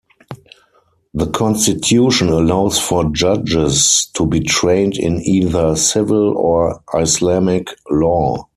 The constitution allows for judges to be trained in either civil or Islamic law.